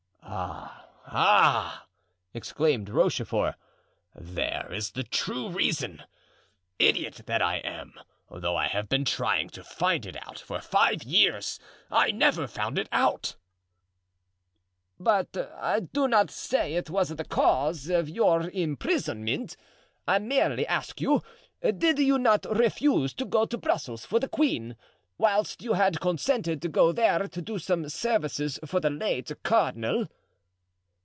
"Ah! ah!" exclaimed Rochefort. "There is the true reason! Idiot that I am, though I have been trying to find it out for five years, I never found it out." "But I do not say it was the cause of your imprisonment. I merely ask you, did you not refuse to go to Brussels for the queen, whilst you had consented to go there to do some service for the late cardinal?"